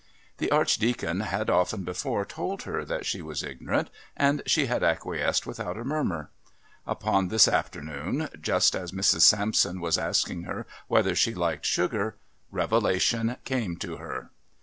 The Archdeacon had often before told her that she was ignorant, and she had acquiesced without a murmur. Upon this afternoon, just as Mrs. Sampson was asking her whether she liked sugar, revelation came to her.